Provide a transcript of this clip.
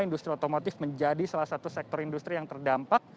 industri otomotif menjadi salah satu sektor industri yang terdampak